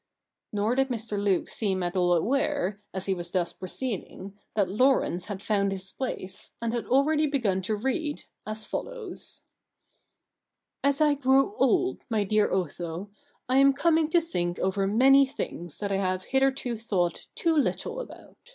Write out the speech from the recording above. Nor did Mr. Luke seem at all aware, as he was thus proceeding, that Laurence had found his place, and had already begun to read, as follows :' As I grow old^ juy dear Otho^ I am coming to think over many things that I have hitherto thought too little about.